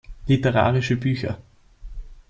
Literarische Bücher